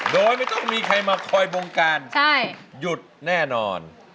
โดยไม่ต้องมีใครมาคอยบงการหยุดแน่นอน